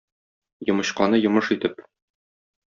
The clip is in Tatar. Йомычканы йомыш итеп.